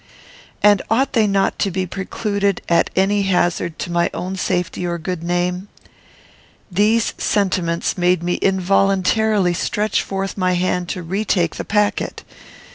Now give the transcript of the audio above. and ought they not to be precluded at any hazard to my own safety or good name? These sentiments made me involuntarily stretch forth my hand to retake the packet.